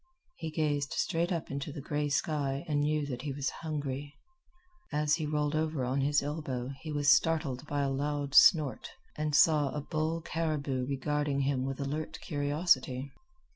He gazed straight up into the gray sky and knew that he was hungry. As he rolled over on his elbow he was startled by a loud snort, and saw a bull caribou regarding him with alert curiosity.